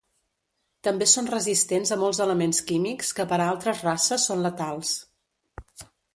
També són resistents a molts elements químics que per a altres races són letals.